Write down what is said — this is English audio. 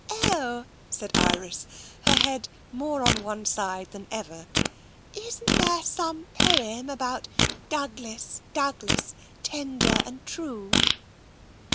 " Oh," said Iris, her head more on one side than ever. " Isn't there some poem about, * Douglas, Douglas, tender and true'?"